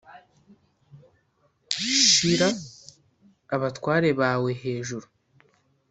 shira abatware bawe hejuru.